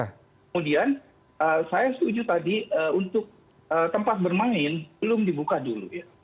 kemudian saya setuju tadi untuk tempat bermain belum dibuka dulu ya